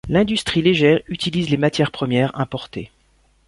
L'industrie légère utilise les matières premières importées.